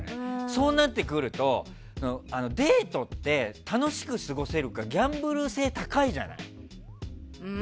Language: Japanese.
そうなってくると、デートって楽しく過ごせるかギャンブル性、高いじゃない。